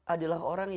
adalah orang yang